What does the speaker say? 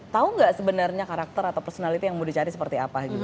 tahu nggak sebenarnya karakter atau personality yang mau dicari seperti apa gitu